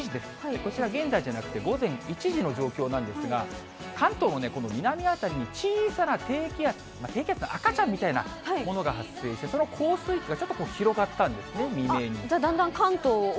こちら、現在じゃなくて、午前１時の状況なんですが、関東もこの南辺りに小さな低気圧、低気圧の赤ちゃんみたいなものが発生して、その降水域がちょっと広がったんですね、未明に。